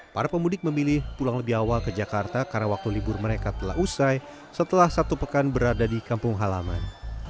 para pemudik memilih pulang lebih awal ke jakarta karena waktu libur mereka telah usai setelah satu pekan berada di kampung halaman